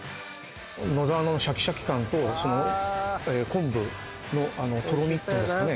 野沢菜のシャキシャキ感と昆布のとろみっていうんですかね。